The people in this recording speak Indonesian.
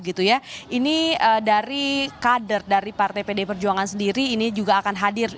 ini dari kader dari partai pd perjuangan sendiri ini juga akan hadir